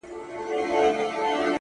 و ماته عجيبه دي توري د .